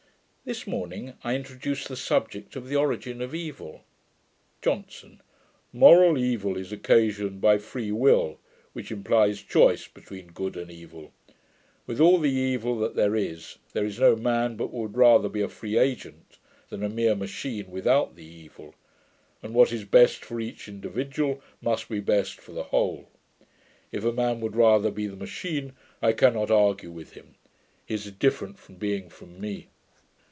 This morning I introduced the subject of the origin of evil. JOHNSON. 'Moral evil is occasioned by free will, which implies choice between good and evil. With all the evil that there is, there is no man but would rather be a free agent, than a mere machine without the evil; and what is best for each individual, must be best for the whole. If a man would rather be the machine, I cannot argue with him. He is a different being from me.'